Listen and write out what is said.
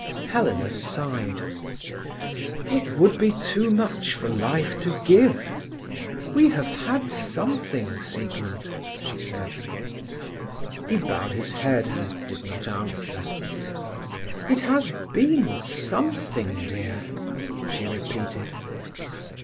Helena sighed. "It would be too much for life to give. We have had something, Siegmund," she said. He bowed his head, and did not answer. "It has been something, dear," she repeated.